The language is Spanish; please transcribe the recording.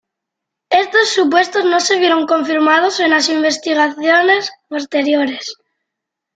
Estos supuestos no se vieron confirmados en las investigaciones posteriores.